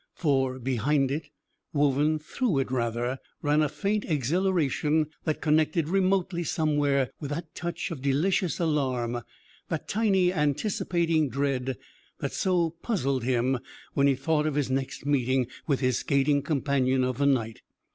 For behind it, woven through it rather, ran a faint exhilaration that connected remotely somewhere with that touch of delicious alarm, that tiny anticipating "dread," that so puzzled him when he thought of his next meeting with his skating companion of the night.